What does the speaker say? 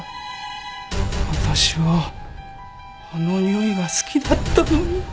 私はあのにおいが好きだったのに。